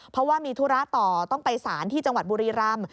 เพราะว่ามีธุระต่อต้องไปสารที่จังหวัดบุรีรำ